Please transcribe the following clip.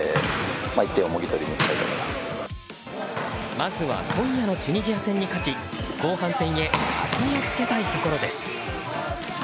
まずは今夜のチュニジア戦に勝ち後半戦へ弾みをつけたいところです。